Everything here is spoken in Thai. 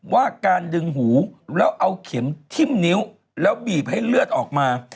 ว่าการดึงหูแล้วเอาเข็มทิ้มนิ้วแล้วบีบให้เลือดออกมา